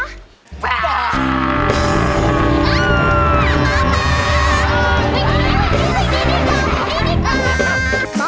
อ้าวหลับมา